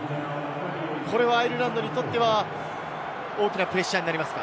アイルランドにとっては大きなプレッシャーになりますか？